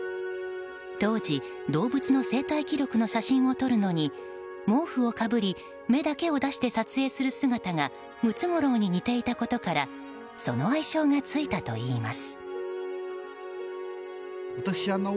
当時、動物の生態記録の写真を撮るのに毛布をかぶり目だけを出して撮影する姿がムツゴロウに似ていたことからその愛称がついたといいます。